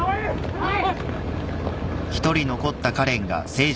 はい！